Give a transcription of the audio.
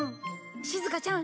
しずかちゃん